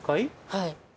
はい。